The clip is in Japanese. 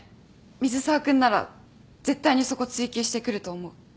水沢君なら絶対にそこ追及してくると思う。